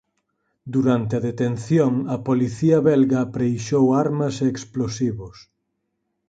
Durante a detención a policía belga apreixou armas e explosivos.